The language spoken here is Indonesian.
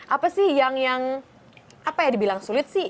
apa sih yang apa ya dibilang sulit sih